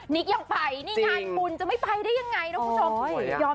นิกยังไปนี่ไงบุญจะไม่ไปได้ยังไงนะ